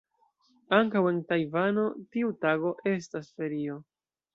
Ankaŭ en Tajvano tiu tago estas ferio.